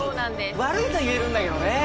悪いと言えるんだけどね。